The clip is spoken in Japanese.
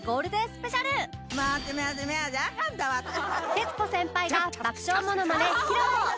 徹子先輩が爆笑モノマネ披露